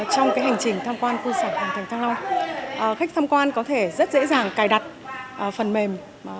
trong hành trình tham quan khu sảnh hoàng thành thăng long khách tham quan có thể rất dễ dàng cài đặt phần mềm